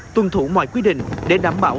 tuân thủ mọi quy định để đảm bảo an toàn